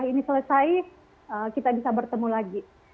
nah mungkin setelah wabah ini selesai kita bisa bertemu lagi